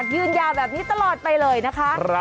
ยืนยาจริงนะคะ